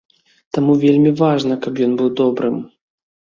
Таму вельмі важна, каб ён быў добрым.